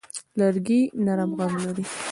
لرګی نرم غږ لري.